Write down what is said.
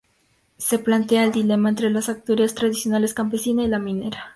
Se plantea el dilema entre la Asturias tradicional campesina y la minera.